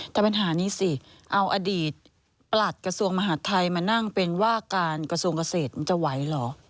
แต่ปัญหานี้สิเอาอดีตประหลัดกระทรวงมหาดไทยมานั่งเป็นว่าการกระทรวงเกษตรมันจะไหวเหรอ